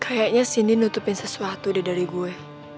kayaknya sien ditutupin sesuatu deh dari gue